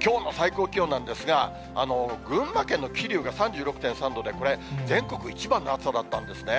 きょうの最高気温なんですが、群馬県の桐生が３６．３度で、これ、全国一番の暑さだったんですね。